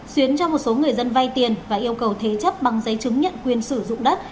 xuyến cho một số người dân vay tiền và yêu cầu thế chấp bằng giấy chứng nhận quyền sử dụng đất